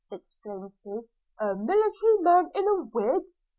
exclaimed he – 'a military man in a wig!